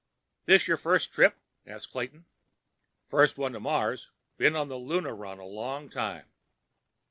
"This your first trip?" asked Clayton. "First one to Mars. Been on the Luna run a long time."